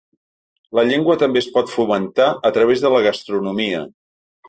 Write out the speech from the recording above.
La llengua també es pot fomentar a través de la gastronomia.